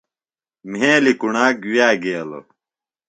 مھیلیۡ کُݨاک وِیہ کے گیلوۡ؟